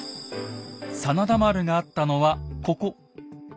真田丸があったのはここ。